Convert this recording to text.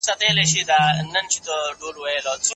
چرګې مښوکه وهله او چرګوړي ورته کتل.